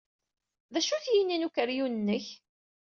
D acu-t yini n ukeryun-nnek?